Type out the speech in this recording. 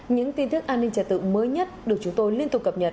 những tin tức an ninh trật tự mới nhất được chúng tôi liên tục cập nhật